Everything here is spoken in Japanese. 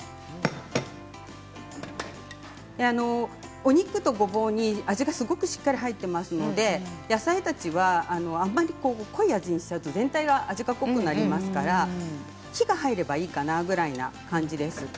お肉と、ごぼうに味がすごくしっかり入っていますので野菜たちはあまり濃い味にしちゃうと、全体に味が濃くなりますから火が入ればいいかなという感じです。